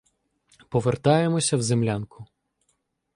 Повертаємося в землянку.